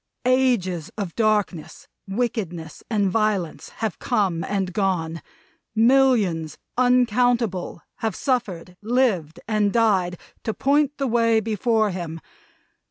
Ages of darkness, wickedness, and violence, have come and gone millions uncountable, have suffered, lived, and died to point the way before him.